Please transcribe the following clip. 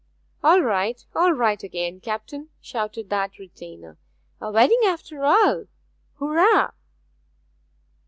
'All right all right again, captain!', shouted that retainer. 'A wedding after all! Hurrah!'